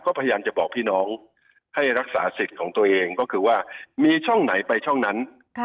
ก็พยายามจะบอกพี่น้องให้รักษาสิทธิ์ของตัวเองก็คือว่ามีช่องไหนไปช่องนั้น